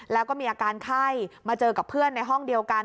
แล้วก็มีอาการไข้มาเจอกับเพื่อนในห้องเดียวกัน